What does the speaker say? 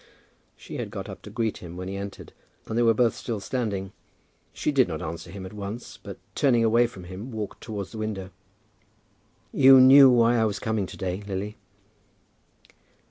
She had got up to greet him when he entered, and they were both still standing. She did not answer him at once, but turning away from him walked towards the window. "You knew why I was coming to day, Lily?"